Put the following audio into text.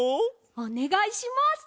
おねがいします！